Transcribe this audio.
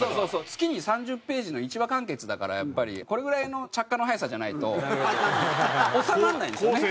月に３０ページの１話完結だからやっぱりこれぐらいの着火の速さじゃないと収まらないんですよね。